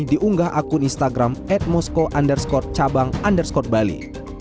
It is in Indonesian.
diunggah akun instagram at moskoe underscore cabang underscore bali